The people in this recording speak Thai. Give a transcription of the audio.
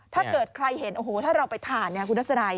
ถ้าเกิดใครเห็นโอ้โหถ้าเราไปทานเนี่ยคุณทัศนัย